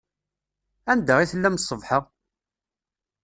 Anda i tellam ṣṣbeḥ-a?